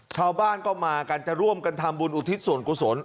ชาวบ้านก็มากันจะร่วมกันทำบุญอุทิศส่วนกุศล